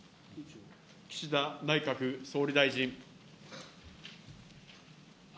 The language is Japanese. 岸田内閣総理大臣。